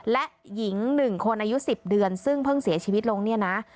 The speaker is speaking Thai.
และหญิง๑คนอายุ๑๐เดือนซึ่งเพิ่งเสียชีวิตลงเนี่ยนะ